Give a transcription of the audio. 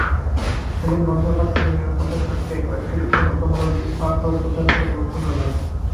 সেদিন বজ্রপাত থেকে নিরাপদে থাকতে কয়েকটি সতর্কতামূলক বার্তাও প্রচার করে মন্ত্রণালয়।